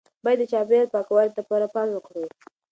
باید د چاپیریال پاکوالي ته پوره پام وکړو.